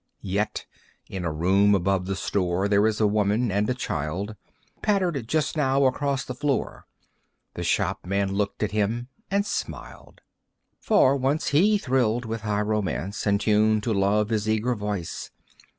Yet in a room above the store There is a woman and a child Pattered just now across the floor; The shopman looked at him and smiled. For, once he thrilled with high romance And tuned to love his eager voice.